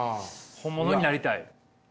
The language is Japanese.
本物になりたい。